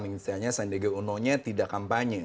misalnya sandiaga uno nya tidak kampanye